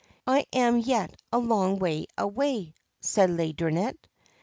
' I am yet a long way away,' said Laideronnette.